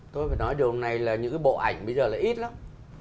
tôi phải nói điều này là những cái bộ ảnh bây giờ là ít lắm